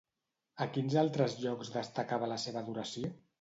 A quins altres llocs destacava la seva adoració?